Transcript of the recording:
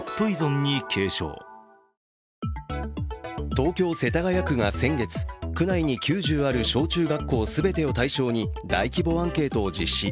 東京・世田谷区が先月、区内に９０ある小中学校すべてを対象に大規模アンケートを実施。